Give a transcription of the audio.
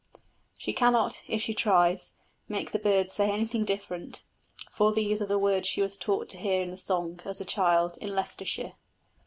She cannot, if she tries, make the bird say anything different, for these are the words she was taught to hear in the song, as a child, in Leicestershire.